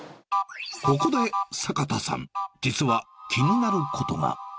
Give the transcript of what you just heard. ここで坂田さん、実は気になることが。